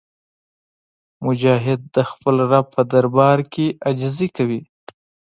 مجاهد د خپل رب په دربار کې عاجزي کوي.